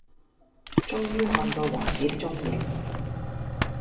終於看到王子的踪影